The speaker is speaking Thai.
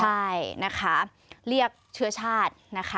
ใช่นะคะเรียกเชื้อชาตินะคะ